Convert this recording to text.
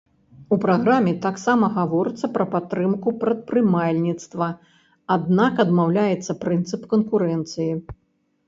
У праграме таксама гаворыцца пра падтрымку прадпрымальніцтва, аднак адмаўляецца прынцып канкурэнцыі.